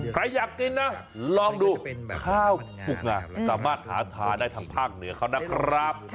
ใครอยากกินนะลองดูข้าวปลุกไงสามารถหาทานได้ทางภาคเหนือเขานะครับ